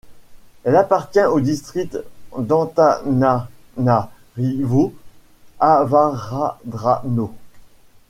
Elle appartient au district d'Antananarivo Avaradrano.